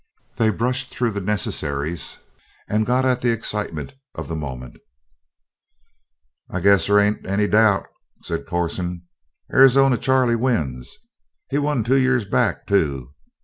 They brushed through the necessaries and got at the excitement of the moment. "I guess they ain't any doubt," said Corson. "Arizona Charley wins. He won two years back, too.